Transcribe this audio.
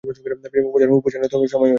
উপাসনার সময় হয়েছে।